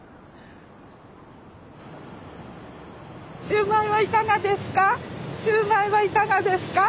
「シューマイはいかがですか？」